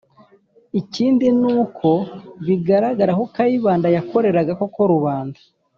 ikindi ni uko, bigaragara ko kayibanda yakoreraga koko rubanda.